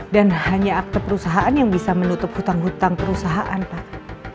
dan hanya akte perusahaan yang bisa menutup hutang hutang perusahaan pak